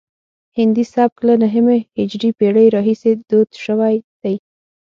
هندي سبک له نهمې هجري پیړۍ راهیسې دود شوی دی